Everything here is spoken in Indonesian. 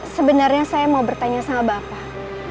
sebenarnya saya mau bertanya sama bapak